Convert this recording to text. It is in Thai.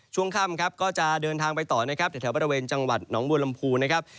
ช่วงข้ำก็จะเดินทางไปต่อแถวบริเวณจังหวัดหนองบวลลำพูนะครับ